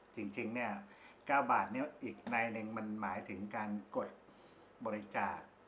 จริงเนี่ย๙บาทนี้อีกในหนึ่งมันหมายถึงการกดบริจาค